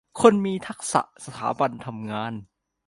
คนมีทักษะ สถาบันทำงาน